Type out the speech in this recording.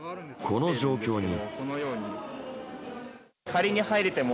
この状況に。